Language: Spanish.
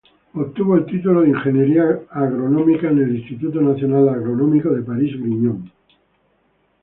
Obtuvo el título de Ingeniería Agronómica en el "Instituto Nacional Agronómico de París-Grignon".